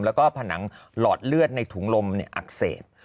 แล้วก็ผนังหลอดเลือดในถุงลมอักเสบ